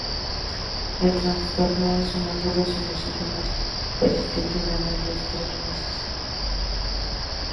El trastorno es agudo si los síntomas persisten menos de tres meses.